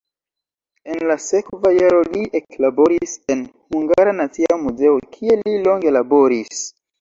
En la sekva jaro li eklaboris en Hungara Nacia Muzeo, kie li longe laboris.